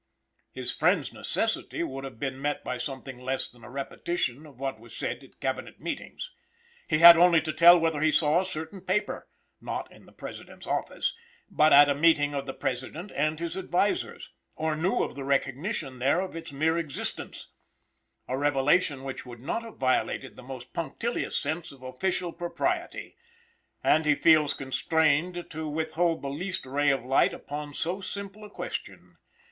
His friend's necessity would have been met by something less than a repetition of what was said at Cabinet meetings. He had only to tell whether he saw a certain paper (not in the President's office), but at a meeting of the President and his advisers, or knew of the recognition there of its mere existence; a revelation which would not have violated the most punctilious sense of official propriety; and he feels constrained to withhold the least ray of light upon so simple a question.